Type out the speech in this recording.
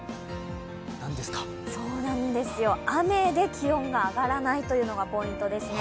雨で気温が上がらないというのがポイントですね。